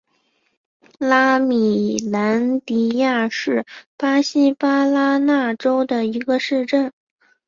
拉米兰迪亚是巴西巴拉那州的一个市镇。